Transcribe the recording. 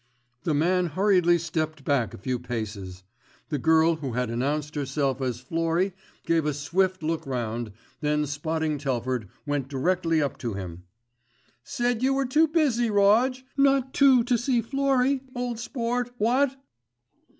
The man hurriedly stepped back a few paces. The girl who had announced herself as Florrie gave a swift look round, then spotting Telford went directly up to him. "Said you were too busy, Roj. Not too to see Florrie, old sport, what?"